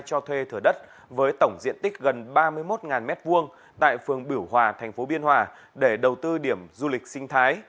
cho thuê thửa đất với tổng diện tích gần ba mươi một m hai tại phường biểu hòa thành phố biên hòa để đầu tư điểm du lịch sinh thái